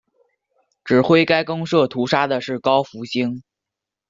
指挥该公社屠杀的是高福兴。